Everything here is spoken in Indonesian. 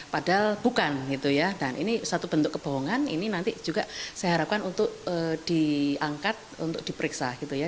padahal bukan gitu ya dan ini satu bentuk kebohongan ini nanti juga saya harapkan untuk diangkat untuk diperiksa gitu ya